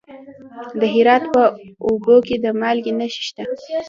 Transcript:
د هرات په اوبې کې د مالګې نښې شته.